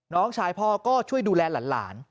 น้องชายพ่อก็ช่วยดูแลหลาน